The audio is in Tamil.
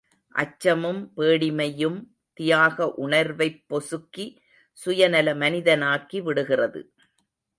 அச்சமும் பேடிமையும் தியாக உணர்வைப் பொசுக்கி, சுயநல மனிதனாக்கி விடுகிறது.